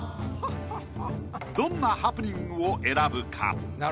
どんなハプニングを選ぶか。